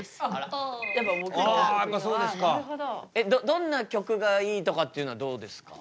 どんな曲がいいとかっていうのはどうですか？